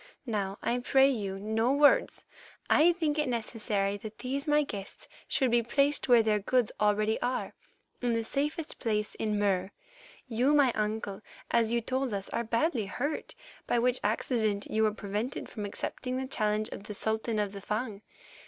Now, I pray you, no words. I think it necessary that these my guests should be where their goods already are, in the safest place in Mur. You, my uncle, as you told us, are badly hurt, by which accident you were prevented from accepting the challenge of the Sultan of the Fung.